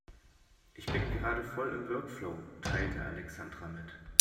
Ich bin gerade voll im Workflow, teilte Alexandra mit.